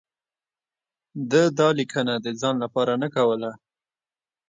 ده دا لیکنه د ځان لپاره نه کوله.